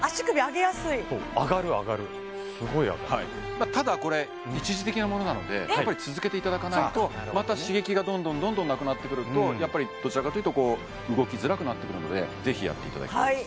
すごい上がるはいただこれ一時的なものなのでやっぱり続けていただかないとまた刺激がどんどんどんどんなくなってくるとやっぱりどちらかというとこう動きづらくなってくるのでぜひやっていただきたいです